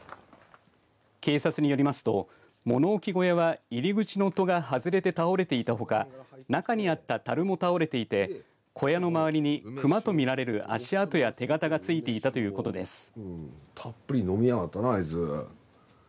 警察によりますと、物置小屋は入り口の戸が外れて倒れていたほか中にあったたるも倒れていて小屋のまわりにクマと見られる足跡や手形がついていたということです。